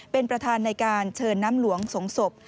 เป็นประธานในการเชิญน้ำหลวงสงศพ